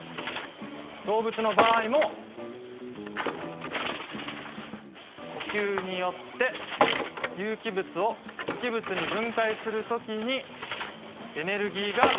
動物の場合も呼吸によって有機物を無機物に分解する時にエネルギーが出る。